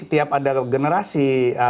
tiap ada generasi